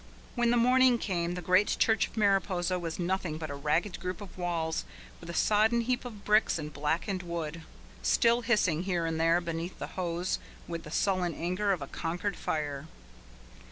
When the morning came the great church of Mariposa was nothing but a ragged group of walls with a sodden heap of bricks and blackened wood, still hissing here and there beneath the hose with the sullen anger of a conquered fire.